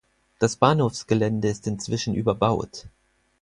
Das Bahnhofsgelände ist inzwischen überbaut.